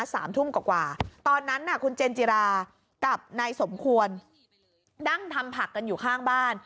สามทุ่มกว่ากว่าตอนนั้นน่ะคุณเจนจิรากับนายสมควรนั่งทำผักกันอยู่ข้างบ้าน